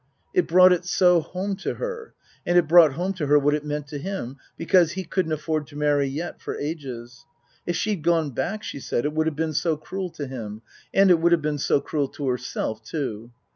It brought it so home to her. And it brought home to her what it meant to him. Because he couldn't afford to marry yet for ages. If she'd gone back, she said, it would have been so cruel to him. And it would have been so cruel to herself, too.